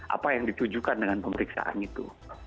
apa yang ditujukan dengan pemeriksaan itu